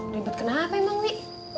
ribet kenapa emang bi